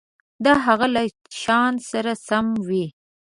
د هغه له شأن سره سم وي.